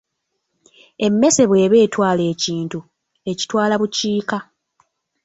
Emmese bw’eba etwala ekintu, ekitwala bukiika.